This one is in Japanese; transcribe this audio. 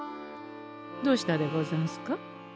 どうしたでござんすか？